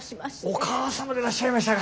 お母様でいらっしゃいましたか。